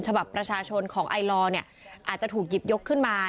ฉบับประชาชนของไอลอร์เนี่ยอาจจะถูกหยิบยกขึ้นมา